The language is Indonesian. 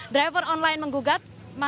dinas perhubungan provinsi jawa timur